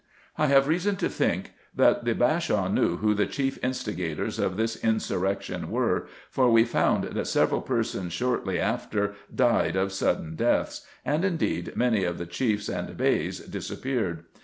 I have reason to think, that the Bashaw knew who the chief instigators of this insurrection were, for we found that several persons shortly after died of sudden deaths ; and, indeed, many of the Chiefs and Beys disappeared.